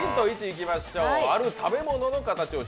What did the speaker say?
１いきましょう。